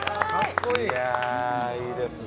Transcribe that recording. いや、いいですね。